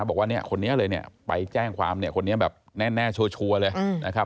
บอกว่าเนี่ยคนนี้เลยเนี่ยไปแจ้งความเนี่ยคนนี้แบบแน่ชัวร์เลยนะครับ